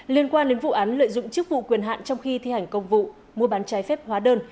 liên quan đến vụ án lợi dụng chức vụ quyền hạn trong khi thi hành công vụ mua bán trái phép hóa đơn